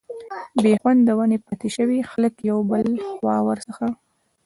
بي خونده ونې پاتي شوې، خلک يو بل خوا ور څخه